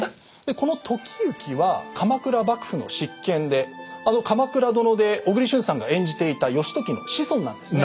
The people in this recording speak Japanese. この時行は鎌倉幕府の執権であの「鎌倉殿」で小栗旬さんが演じていた義時の子孫なんですね。